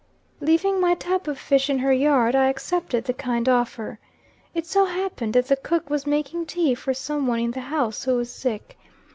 "Leaving my tub of fish in her yard, I accepted the kind offer. It so happened that the cook was making tea for some one in the house who was sick.